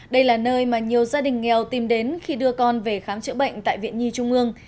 đây là nơi mà nhiều gia đình nghèo tìm đến khi đưa con về khám chữa bệnh tại viện nhi trung ương